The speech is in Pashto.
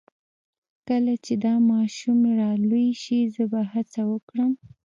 کله چې دا ماشوم را لوی شي زه به هڅه وکړم